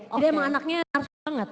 jadi emang anaknya narsis banget